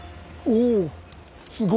おお。